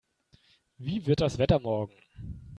Wie wird das Wetter morgen?